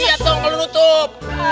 lihat dong perlu nutup